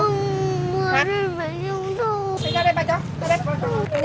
mua bánh trung thu